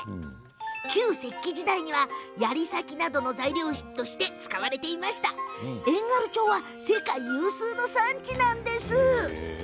旧石器時代にはやり先などの材料として使われて遠軽町は世界有数の産地なんです。